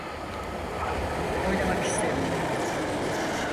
Oynamak istemiyorum.